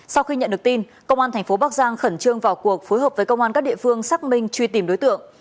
sau khi nhận được tin công an thành phố bắc giang khẩn trương vào cuộc phối hợp với công an các địa phương xác minh truy tìm đối tượng